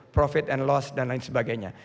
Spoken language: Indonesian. profit and loss dan lain sebagainya